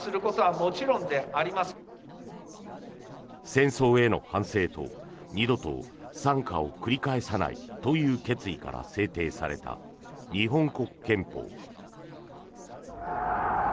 戦争への反省と二度と惨禍を繰り返さないという決意から制定された日本国憲法。